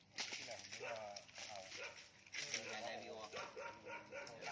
วิธีการจับ